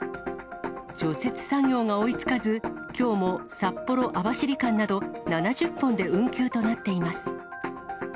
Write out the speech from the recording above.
除雪作業が追いつかず、きょうも札幌・網走間など、７０本で運休となっています。